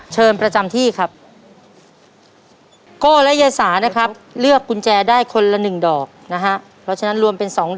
เชิญประจำที่ครับก้อและยายสานะครับ